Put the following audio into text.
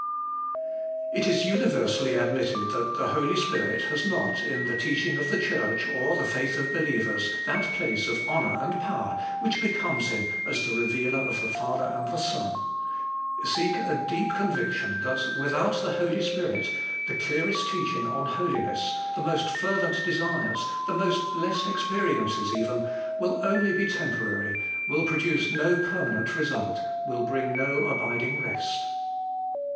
1. It it universally admitted that the Holy Spirit has not, In the teaching of the Church or the faith of believers, that place of honour and power, which becomes Him as the Reuealer of the Father and the Son. Seek a deep eon THE HOLY SPIKIT. 141 vletlon that without the Holy Spirit the clearest teaching on holiness, the most fervent desires, the most blessed experiences even, will only b temporary, will produce no permanent result, will bring no abiding rest.